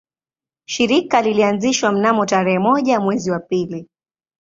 Shirika lilianzishwa mnamo tarehe moja mwezi wa pili